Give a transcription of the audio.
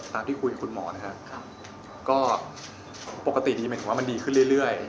ที่คุยกับคุณหมอนะครับก็ปกติดีหมายถึงว่ามันดีขึ้นเรื่อย